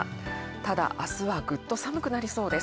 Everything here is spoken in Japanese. ただ、明日はグッと寒くなりそうです。